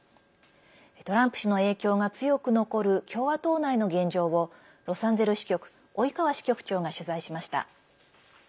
トランプ氏の影響が強く残る共和党内の現状をロサンゼルス支局及川支局長が取材しました。